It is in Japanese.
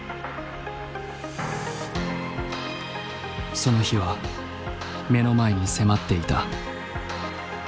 その日は目の前に迫っていた。